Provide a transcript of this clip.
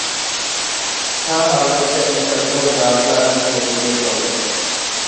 تا ھازىرغىچە ئىزدەپمۇ زادىلا ئىز دېرىكىنى قىلالمىدۇق.